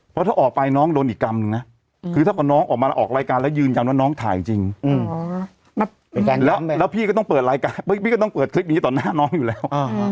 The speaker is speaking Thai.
เพราะถ้าออกไปน้องโดนอีกกรรมหนึ่งนะคือถ้าเกิดน้องออกรายการแล้วยืนยังว่าน้องถ่ายจริงแล้วพี่ก็ต้องเปิดคลิปนี้ต่อหน้าน้องอยู่แล้ว